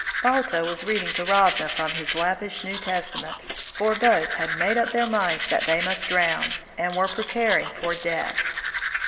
Balto was reading to Ravna from his Lappish New Testament, for both had made up their minds that they must drown, and were preparing for death.